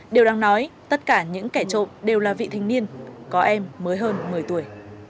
điều đáng nói tất cả những kẻ trộm đều là vị thanh niên có em mới hơn một mươi tuổi